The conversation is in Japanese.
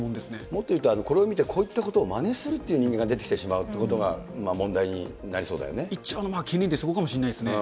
もっと言うと、これを見てこういったことをまねするという人間が出てきてしまうということが、一番懸念はそこかもしれないですね。